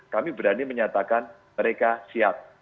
kami berani menyatakan mereka siap